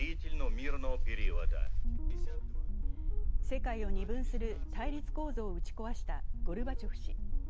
世界を二分する対立構造を打ち壊したゴルバチョフ氏。